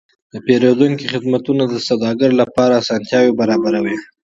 د پیرودونکو خدمتونه د سوداګرو لپاره اسانتیاوې برابروي.